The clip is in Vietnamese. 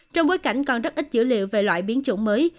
trong bối cảnh còn rất ít dữ liệu về loại biến chủng mới